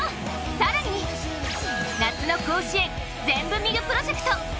更に、夏の甲子園ぜんぶ見るプロジェクト。